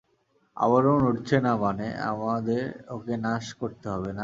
আবরণ উঠছে না মানে, আমাদের ওকে নাশ করতে হবে, না?